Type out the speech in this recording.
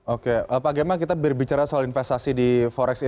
oke pak gemma kita berbicara soal investasi di forex ini